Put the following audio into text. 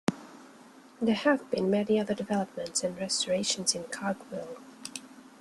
There have been many other developments and restorations in Caergwrle.